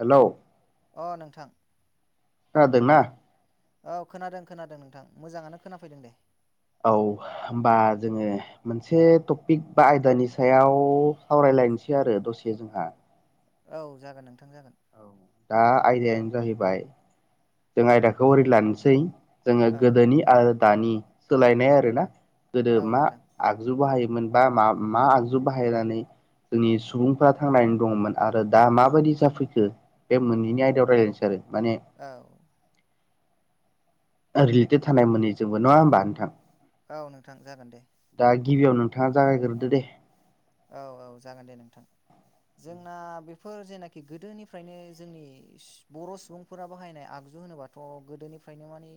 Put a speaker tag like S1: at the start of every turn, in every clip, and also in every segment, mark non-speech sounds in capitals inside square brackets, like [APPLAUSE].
S1: Hello?
S2: अह नोंथां।
S1: खोनादों ना?
S2: औ खोनादों खोनादों नोंथां मोजाङानो खोनाफैदों दे।
S1: औ होमबा जोङो मोनसे टपिक बा आयदानि सायाव सावराय लायनोसै आरो दसे जोंहा।
S2: औ जागोन नोंथां जागोन।
S1: औ दा आयदायानो जाहैबाय जों आयदाखौ ओरै लानोसै जोङो
S2: औ
S1: गोदोनि आरो दानि सोलायनाय आरोना गोदो
S2: औ
S1: मा
S2: नोंथां
S1: आगजु बाहायोमोन बा मा मा आगजु बाहायनानै जोंनि सुबुंफोरा थांनानै दङमोन आरो दा माबायदि जाफैखो बे मोननैनि आयदायाव रायलायनोसै आरो। माने
S2: औ।
S1: रिलेटेड थानाय मोनैजोंबो नङा होमबा नोंथां?
S2: औ नोंथां जागोन दे।
S1: दा गिबियाव नोंथाङा जागायगोरदो दे।
S2: औ औ जागोन दे नोंथां। जोंना बेफोर जेनाखि गोदोनिफ्रायनो जोंनि बर' सुबुंफोरा बाहायनाय आग जु होनोबाथ' गोदोनिफ्रायनो माने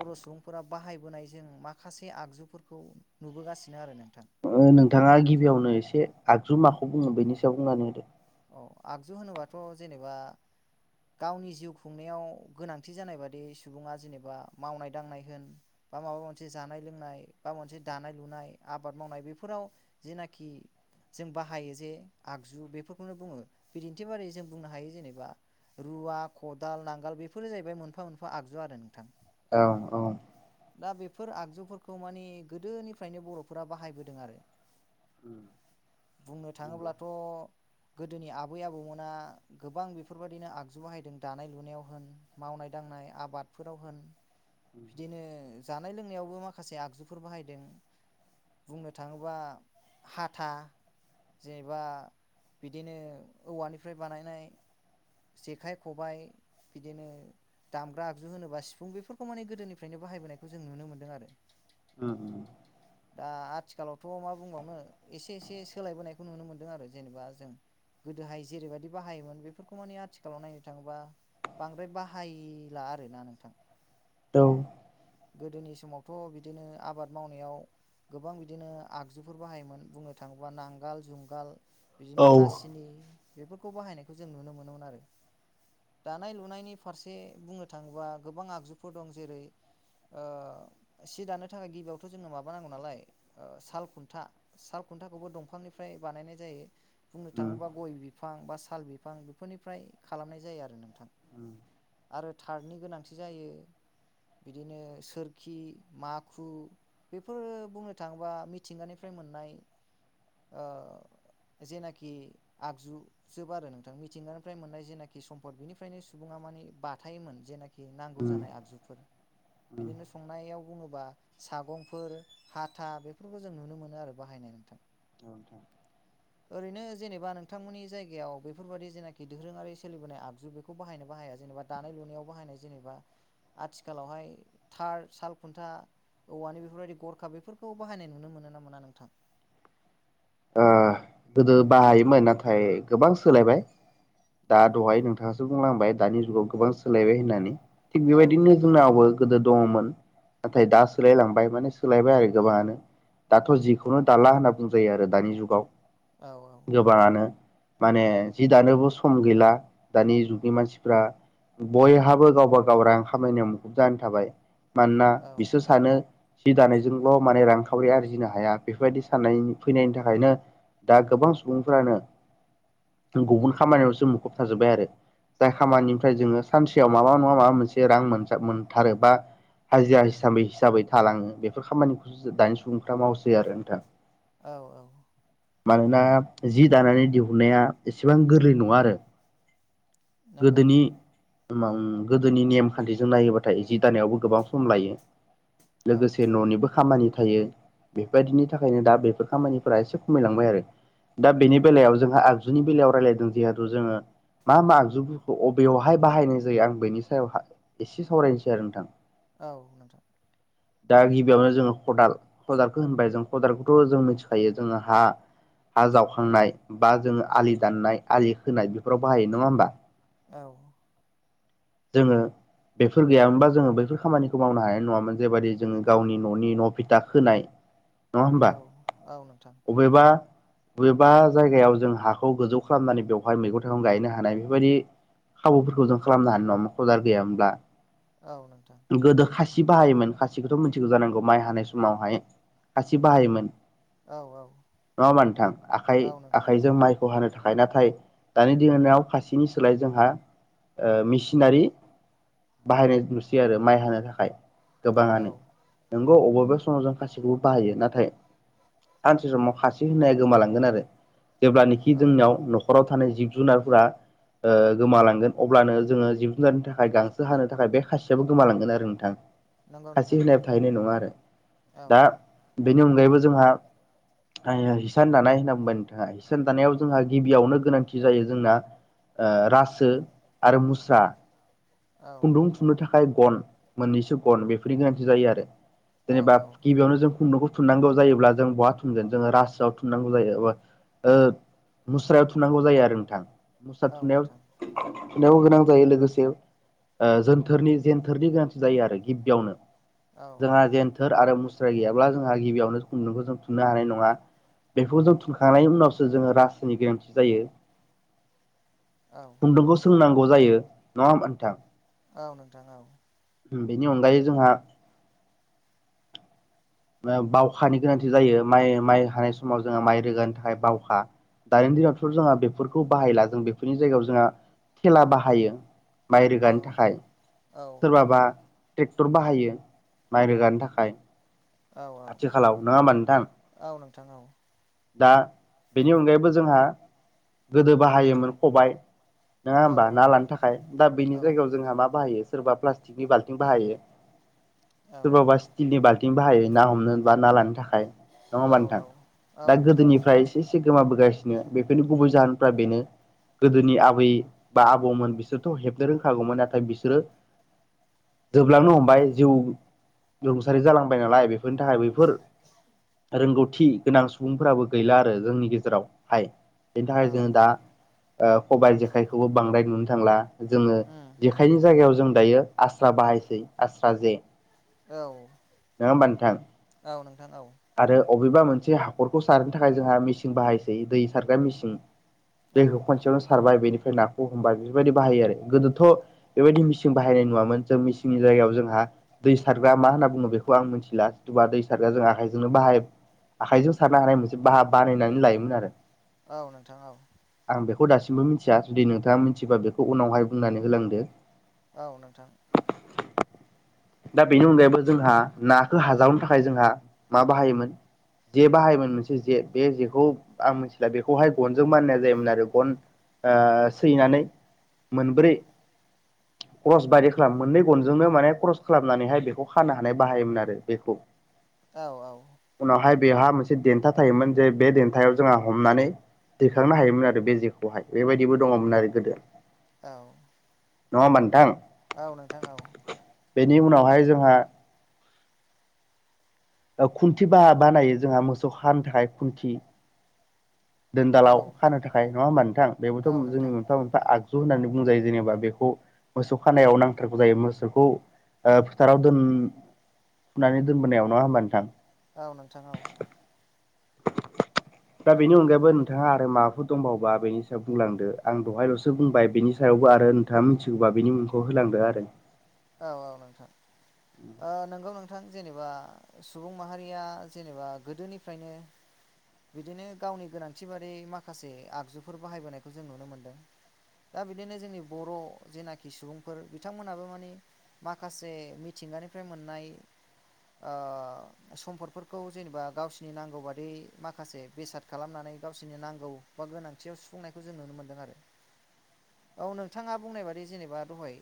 S2: बर' सुबुंफोरा बाहायबोनायजों माखासे आगजुफोरखौ खौ नुबोगासिनो आरो नों
S1: नोंथाङा गिबियावनो एसे आगजु माखौ बुङो बेनि सायाव बुंनानै होदो
S2: औ आगजु होनोबाथ' जेनेबा गावनि जिउ खुंनायाव गोनांथि जानाय बादि सुबुङा जेनेबा मावनाय दांनाय होन बा माबा मोनसे जानाय लोंनाय बा मोनसे दानाय लुनाय आबाद मावनाय बेफोराव जेनाखि जों बाहायो जे आगजु बेफोरखौनो बुङो बिदिन्थि बारै जों बुंनो हायो जेनेबा रुवा खदाल नांगाल बेफोरो जाहैबाय मोनफा मोनफा आगजु आरो नोंथां
S1: औ औ
S2: दा बेफोर आगजुफोरखौ माने गोदोनिफ्रायनो बर'फोरा बाहायबोदों आरो बुंनो
S1: नंगौ
S2: थाङोब्लाथ' गोदोनि आबै आबौमोना गोबां बेफोरबादिनो आगजु बाहायदों दानाय लुनायाव होन माव नाय दांनाय आबादफोराव होन बिदिनो जानाय लोंनायावबो माखासे आगजुफोर बाहायदों बुंनो थाङोबा हाथा जेनेबा बिदिनो औवानिफ्राय बानायनाय जेखाइ खबाय बिदिनो दामग्रा आगजु होनोबा सिफुं बेफोरखौ माने गोदोनिफ्रायनो बाहायबोनायखौ जों नुनो मोनदों आरो
S1: ओम ओम
S2: दा आथिखालावथ' मा बुंबावनो एसे एसे सोलायबोनायखौ नुनो मोनदों आरो जेनेबा जों गोदोहाय जेरैबायदि बाहायोमोन बेफोरखौ माने आथिखालाव नायनो थाङोबा बांद्राय बाहायला आरोना नोंथां
S1: औ
S2: गोदोनि समावथ' बिदिनो आबाद मावनायाव गोबां बिदिनो आगजुफोर बाहायोमोन बुंनो थाङोब्ला नांगोल जुंगाल बिदिनो
S1: औ
S2: हासिनि बेफोरखौ बाहायनायखौ जों नुनो मोनोमोन आरो दानाय लुनायनि फारसे बुंनो थाङोबा गोबां आगजुफोर दं जेरै ओ सि दानो थाखाय गिबियावथ' जोंनो माबा नांगौ नालाय ओ सालखुन्था साल खुन्थाखौबो दंफांनिफ्राय बानायनाय जायो बुंनो
S1: औ
S2: थाङोबा गय बिफां बा साल बिफां बेफोरनिफ्राय खालामनाय जायो आरो नोंथां आरो थारनि गोनांथि जायो बिदिनो सोरखि माखु बेफोरो बुंनो थाङोबा मिथिंगानिफ्राय मोननाय ओ जेनाखि आगजु जोब आरो नोंथां मिथिंगानिफ्राय मोननाय जेनाखि सम्फद बिनिफ्रायनो सुबुं ङा माने बाथायोमोन जेनाखि नांगौ जानाय आगजुफोर
S1: [INAUDIBLE]
S2: बिदिनो संनायाव बुङोबा सागंफोर हाथा बेफोरखौ जों नुनो मोनो आरो बाहायनाय नोंथां
S1: औ नोंथां
S2: ओरैनो जेनेबा नोंथांमोननि जायगायाव बेफोरबादि जेनाखि दोरोङारि सोलिबोनाय आगजु बेखौ बाहायो ना बाहाया। जेनेबा दानाय लुनायाव बाहायनाय जेनेबा आथिखालावहाय थार साल खुन्था औवानि बेफोरबायदि गरखा बेफोरखौ बाहायनाय नुनो मोनो ना मोना नोंथां
S1: गोदो बाहायोमोन नाथाय गोबां सोलायबाय दा
S2: औ
S1: दहाय नोंथाङासो बुंलांबाय दानि जुगाव गोबां सोलायबाय होननानै थिग
S2: औ
S1: बेबायदिनो जोंनावबो गोदो दङमोन नाथाय दा सोलायलांबाय माने सोलायबाय आरो गोबाङानो दाथ' जिखौनो दाला होनना बुंजायो आरो दानि जुगाव
S2: औ
S1: गोबाङानो माने जि दानोबो सम गैला दानि जुगनि मानसिफ्रा बयहाबो गावबा गाव रां खामायनाय मुखुब जानो थाबाय मानोना
S2: औ
S1: बिसोर सानो सि दानायजोंल' माने रांखावरि आरजिनो हाया बेफोरबायदि साननाय फैनायनि थाखाय थाखायनो दा गोबां सुबुंफोरानो गुबुन खामानियाव जों मुखुब थाजोब्बाय आरो जाय
S2: औ औ
S1: खामानिनिफ्राय जोङो सानसे माबा नङा माबा मोनसे रां मोनथारो बा हाजिरा हिसाबै हिसाबै थालांङो बेफोर खामानिखौसो दानि सुबुंफ्रा मावसै आरो नोंथां
S2: औ औ
S1: मानोना जि दानानै दिहुननाया एसेबां गोरलै नंङा आरो
S2: नंगौ
S1: गोदोनि
S2: नोंथां
S1: गोदोनि नेमखान्थिजों नायोबाथाय जि दानायावबो गोबां सम लायो
S2: औ
S1: लोगोसे न'निबो खामानि थायो बेबायदिनि थाखायनो दा बेफोर खामानि एसे खमायलांबाय आरो दा बेनि बेलायाव जोंहा आगजुनि बेलायाव रायलायदों जिहेथु जोंङो मा मा आगजुफोरखौ अबेयावहाय बाहायनाय जायो आं बेनि सायावहा एसे सावरायनोसै आरो नोंथां
S2: औ नोंथां
S1: दा गिबियावनो जोंङो खदाल खदालखौ होनबाय जों खदालखौथ' जों मिथि खायो जोंहा हा हा जावखांनाय बा जोंङो आलि दाननाय आलि खोनाय बेफोराव बाहायो नंङा होमबा
S2: औ
S1: जोंङो बेफोर गैयामोनबा जोंङो बैफोर खामानिखौ मावनो हानाय नंङामोन जेबायाददि जोंङो गावनि न'नि बिथा खोनाय [INAUDIBLE]
S2: औ औ नोंथां
S1: अबेबा बबेबा जायगायाव जों हाखौ गोजौ खालामनानै बेवहाय मैगं थाइगं गायनो हानाय बेफोरबायदि खाबुफोरखौ जों खालामनो हानाय नंङामोन खदाल गैयामोनब्ला
S2: औ नोंथां
S1: गोदो खासि बाहायोमोन खासिखौथ' मिथिगौ जानांगौ माइ हानाय समावहाय खासि बाहायोमोन।
S2: औ औ
S1: नंङा होनबा नोंथां आखाइ
S2: औ नोंथां
S1: आखाइजों माइखौ हानो थाखाय नाथाय दानि दिनाव खासिनि सोलाय जोंहा मेसिनारि बाहायनाय नुसै आरो माइ हानो थाखाय गोबांङानो
S2: औ
S1: नोंगौ अबेबा समाव जों खासिखौबो बाहायो नाथाय सानसे समाव खासि होना गोमालांगोन आरो जेब्लानोाखि
S2: औ
S1: जोंनियाव न'खराव थानाय जि जुनारफोरा ओ गोमालांगोन अब्लानो जोंङो जिब जुनारनि थाखाय गांसो हानो थाखाय बे खासियाबो गोमालांगोन आरो नोंथां
S2: नंगौ
S1: खासि
S2: नोंथां
S1: होनाय थाहैनाय नंङा आरो
S2: औ
S1: दा बेनि अनगायैबो जोंहा [UNINTELLIGIBLE] हिसान दानाय होनना बुंबाय नोंथाङा हिसान दानायाव जोंहा गिबियावनो गोनांथि जायो जोंना ओ रासो आरो मुस्रा
S2: औ
S1: खुन्दुं थुननो थाखाय गन मोननैसो गन बेफोरनि गोनांथि जायो आरो
S2: औ
S1: जेनेबा
S2: औ
S1: गिबियावनो जों खुन्दुंखौ थुननांगौ जायोब्ला जों बहा थुनगोन जोंङो रासोआव थुनांगौ जायो ओ मुस्रायाव थुनांगौ जायो आरो नोंथां मुस्रा
S2: औ
S1: थुनायाव
S2: नोंथां
S1: गोनां जायो लोगोसे जोनथोरनि जेनथोरनि गोनांथि जायो आरो गिबियावनो
S2: औ औ
S1: जोंहा जेनथोर आरो मुस्रा गैयाब्ला जोंहा गिबियावनो खुंनदुंखौ जों थु थुननो हानाय नंङा। बेखौ जों थुनखांनायनि उनावसो जोंङो रासोनि गोरोन्थि जायो।
S2: औ
S1: खुन्दुंखौ सोंनांगौ जायो नंङा होनबा नोंथां।
S2: औ नोंथां औ
S1: उम बेनि अनगायै जोंहा। बावखानि गोनांथि जायो माइ माइ हानाय समाव जोंङो माइ रोगानो थाखाय बावखा। दानि दिनावथ' जोंहा बेफोरखौ बाहायला जों बेफोरनि जायगायाव जोंहा थेला बाहायो। माय
S2: औ
S1: रोगानो थाखाय
S2: औ
S1: सोरबाबा। ट्रेक्टर बाहायो माइ रोगानो थाखाय।
S2: औ औ
S1: आथिखालाव नंङा होमबा नोंथां।
S2: औ नोंथां औ
S1: दा बेनि अनगायैबो जोंहा गोदो बाहायोमोन खबायाइ नोंङा होमबा
S2: औ औ
S1: ना लानो थाखाय दा बेनि जायगायाव जोंहा मा बाहायो। सोरबा प्लास्टिकनि बाल्थिं बाहायो सोरबाबा स्टिलनि बाल्थिं बाहायो। ना हमनो बा ना लानो थाखाय। नङा होमबा नोंथां दा
S2: औ नोंथां
S1: गोदोनिफ्राय एसे एसे गोमाबोगासिनो बेफोरनि गुबै जाहोन। फ्रा बेनो गोदोनि आबै बा आबौमोन बिसोरथ' हेबनो रोंखागौमोन नाथाय बिसोरो। जोबलांनो हमबाय जिउ रुंसारि जालांबाय नालाय बेफोरनि थाखाय बैफोर। रोंगौथि गोनां सुबुंफोराबो गैला आरो जोंनि गेजेराव हाय। बेनि
S2: औ
S1: थाखाय जोंदा खबायाइ जेखाइखौबो बांद्राय नुनो थांला। जोङो
S2: उम
S1: जेखायनि जायगायाव जों दायो आस्रा बाहायसै आस्रा जे।
S2: औ
S1: नङा होमबा नोंथां
S2: औ नोंथां औ।
S1: आरो अबेबा मोनसे हाखरखौ सारनो थाखाय जोंहा मेसिं बाहायसै दै सारग्रा मेसिं।
S2: औ
S1: दैखौ खनसेयावनो सारबाय बेनिफ्राय। नाखौ हमबाय बेफोरबायदि बाहायो आरो गोदोथ' बेबायदि मिसिं बाहायनाय नुवामोन जों मिसिंनि जायगायाव जोंहा दै सारग्रा मा होनना बुङो बेखौ आं मिथिला सोरबा दै सारग्रा जों आखाइजों। नो बाहाय आखाइजों सारनो हानाय मोनसे बाहा बानायनानै लायोमोन आरो।
S2: औ नोंथां औ
S1: आं बेखौ दासिमबो मिथिया जुदि नोंथाङा मिथिबा बेखौ उनावहाय बुंनानै होलांदो।
S2: औ नोंथां।
S1: दा बेनि अनगायैबो जोंहा नाखौ हाजावनो थाखाय जोंहा। मा बाहायोमोन? जे बाहायोमोन मोनसे जे बे जेखौ आं मिथिला बेखौहाय गनजों मानिनाय जायोमोन आरो गन सैनानै मोनब्रै क्रस बायदि खालाम मोननै गनजोंनो माने क्रस खालामनानैहाय बेखौ खानो हानाय बाहायोमोन आरो बेखौ।
S2: औ औ
S1: उनावहाय बेहा मोनसे देन्था थायोमोन जे बे देन्थायाव जोंहा हमनानै। दैखांनो हायोमोन आरो बे जेखौहाय बेबायदिबो दङमोन आरो गोदो।
S2: औ
S1: नङा होनबा नोंथां?
S2: औ नोंथां औ
S1: बेनि उनावहाय जोंहा खुन्थि बा बानायो जोंहा मोसौ खानो थाखाय खुन्थि।
S2: औ
S1: दोनदालाव खानो थाखाय नङा होमबा नोंथां बेबोथ'
S2: औ
S1: जोंनि
S2: नोंथां
S1: मोनफा मोनफा आग जु होननानै बुंजायो जेनेबा बेखौ मोसौ खानायाव नांथारगौ जायो मोसौखौ। ओ फोथाराव दोन फुनानै दोनबोनायाव नङा होमबा नोंथां।
S2: औ नोंथां औ।
S1: दा बेनि
S2: नंगौ
S1: अनगायैबो नोंथाङा आरो मा हाफोर दंबावोबा बेनि सायाव बुंलांदो आं दहायल'सो बुंबाय बेनि सायावबो आरो नोंथाङा मिथिगौबा बेनि मुंखौ ह [UNINTELLIGIBLE] आरो।
S2: औ औ नोंथां ओ नोंगौ नों थां जेनेबा सुबुं माहारिया जेनेबा गोदोनिफ्रायनो। बिदिनो गावनि गोनांथि बादि माखासे आगजुफोर बाहायबोनायखौ जों नुनो मोनदों। दा बिदिनो जोंनि बर' जेनाखि सुबुंफोर बिथांमोनाबो माने। माखासे मिथिंगानिफ्राय मोननाय ओ सम्फदफोरखौ जेनेबा गावसिनि नांगौ बादि माखासे बेसाद खालामनानै। गावसोरनि नांगौ बा गोनांथियाव सुफुंनायखौ जों नुनो मोनदों आरो।
S1: [INAUDIBLE]
S2: औ नोंथाङा बुंनाय बादि जेनेबा दहाय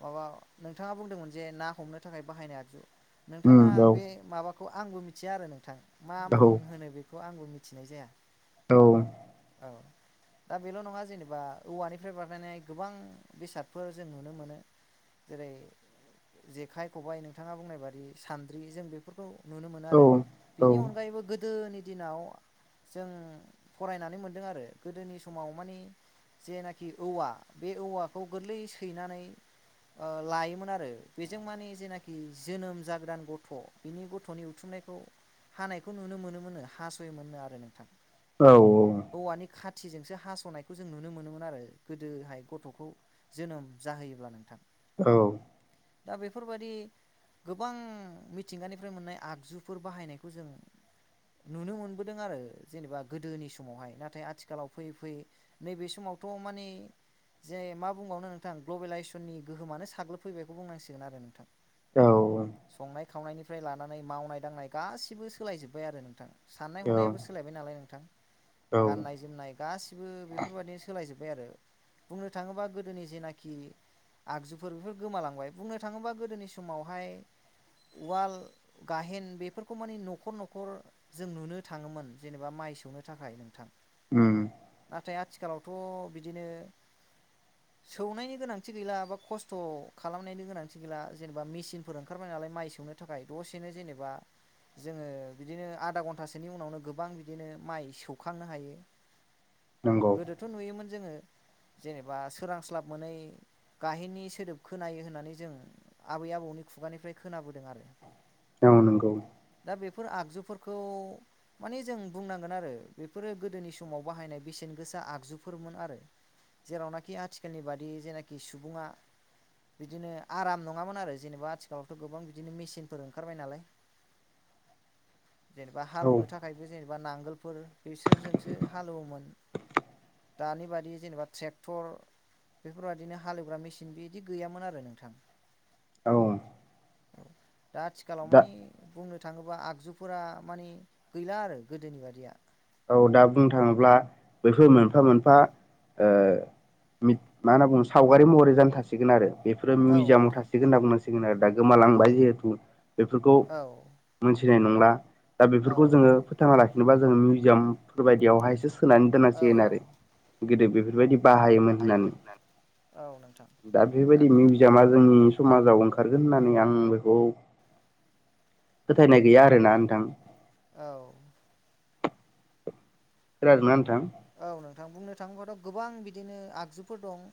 S2: माबा। नोंथाङा बुंदोंमोन जे ना हमनो थाखाय बाहायनाय आगजु नोंथाङा
S1: उम औ
S2: बे माबा खौ आंबो मिथिया आरो नोंथां मा मुं
S1: औ
S2: होनो बेखौ आंबो मिथिनाय जाया।
S1: औ।
S2: औ दा बेल' नङा जेनेबा औवानिफ्राय बानायनाय गोबां बेसादफोर जों नुनो मोनो। जेरै जेखाइ, खबाइ नोंथाङा बुंनाय बादि सान्द्रि जों बेफोरखौ। नुनो मोनो आरो
S1: औ औ
S2: बिनि अनगायैबो गोदोनि दिनाव जों फरायनानै मोनदों आरो गोदोनि समाव मानि जेनाखि औवा बे औवाखौ गोरलै सैनानै ओ लायोमोन आरो बेजों मानिे जेनाखि जोनोम जागोदान गथ' बिनि गथ'नि उथुमनायखौ हानायखौ नुनो मोनोमोननो, हास'योमोननो आरो नोंथां।
S1: औ औ।
S2: औवानि खाथिजोंसो हास'नायखौ जों नुनो मोनोमोन आरो गोदोहाय गथ'खौ जोनोम जाहोयोब्ला नोंथां।
S1: औ।
S2: दा बेफोरबायदि गोबां मिथिंगानिफ्राय मोननाय आगजुफोर बाहायनायखौ जों नुनो मोनबोदों आरो जेनेबा गोदोनि समावहाय नाथाय आथिखालाव फैयै फैयै नैबे समाव थ' माने जे मा बुंबावनो नोंथां ग्लबेेलाइसननि गोहोमानो साग्लोबफैबायखौ बुंनांसिगोन आरो नोंथां।
S1: औ ओं।
S2: संनाय खावनायनिफ्राय लानानै मावनाय दांनाय गा‌सिबो सोलायजोबबाय आरो नोंथां। साननाय
S1: औ
S2: हनायाबो सोलायबाय नालाय नोंथां,
S1: औ
S2: गाननाय-जोमनाय गासिबो बेफोरबायदिनो सोलायजोब बाय आरो बुंनो थाङोबा गोदोनि जेनाखि आगजुफोर बेफोर गोमालांबाय बुंनो थाङोबा गोदोनि समावहाय उवाल, गाहेन बेफोरखौ मानिे न'खर न'खर जों नुनो थाङोमोन जेनेबा माइ सौनो थाखाय नोंथां।
S1: उम।
S2: थाय आथिखालावथ' बिदिनो सौनायनि गोनांथि गैला बा खस्थ' खालामनायनि गोनांथि गैला जेनेबा मेचिनफोर ओंखारबाय नालाय माइ सौनो थाखाय दसेनो जेनेबा जोङो बिदिनो आदा घन्टासोनि उनावनो गोबां बिदिनो माइ सौखांनो हायो।
S1: नंगौ
S2: गोदोथ' नुयोमोन जोङो जेनेबा सोरांस्लाब मोनै गाहेननि सोदोब खोनायो होननानै जों आबै आबौनि खुगानिफ्राय खोनाबोदों आरो।
S1: औ नोंगौ।
S2: दा बेफोर आगजुफोरखौ माने जों बुंनांगोन आरो बेफोरो गोदोनि समाव बाहायनाय बेसेन गोसा आगजुफोरमोन आरो। जेरावनाखि आथिखालनि बादि जेनाखि सुबुङा बिदिनो आराम नङामोन आरो जेनेबा आथिखालावथ' गोबां बिदिनो मेचिनफोर ओंखारबाय नालाय।
S1: [INAUDIBLE]
S2: जेनेबा
S1: औ
S2: हालौवनो थाखायबो जेनेबा नांगोलफोर बेसोरजोंसो हालौवोमोन। दानि बादि जेनेबा ट्रेक्टर बेफोरबायदिनो हालेवग्रा मेसिन बेदि गैयामोन आरो नोंथां।
S1: औ
S2: दा आथिखालाव
S1: दा
S2: माने बुंनो थाङोबा आगजुफोरा माने गैला आरो गोदोनि बादिया।
S1: औ दा बुंनो थाङोब्ला बैफोर मोनफा मोनफा ओ‌ मिथ‌ मा होनना बुङो सावगारि महरै जानो थासिगोन आरो। बेफोरो
S2: औ
S1: मिउजियामाव
S2: नोंथां
S1: थासिगोन होनना बुंनांसिगोन आरो दा गोमालांबाय जिहेथु बेफोरखौ
S2: औ
S1: मोनसे फैनाय नंला दा
S2: औ
S1: बेफोरखौ
S2: औ
S1: जोङो फोथांना लाखिनोबा जोङो मिउजियामफोर बायदियावहायसो होनानै
S2: औ
S1: दोनांसिगोन आरो गोदो बेफोरबायदि बाहायोमोन होननानै।
S2: औ नोंथां
S1: दा बेबायदि मिउजियामा जोंनि समाजाव ओंखारगोन होननानै आं बेखौ फोथायनाय गैया आरो ना नोंथां।
S2: औ
S1: खोनादोंना नोंथां?
S2: औ नोंथां बुंनो थाङोबथ' गोबां बिदिनो आगजुफोर दं।